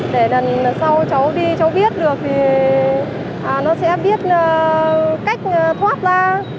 để đằng sau cháu đi cháu biết được thì nó sẽ biết cách thoát ra